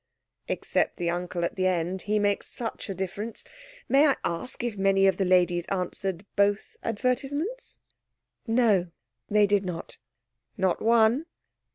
"Except the uncle at the end. He makes such a difference. May I ask if many of the ladies answered both advertisements?" "No, they did not." "Not one?"